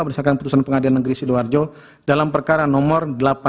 berdasarkan keputusan pengadilan negeri sidoarjo dalam perkara nomor delapan puluh tiga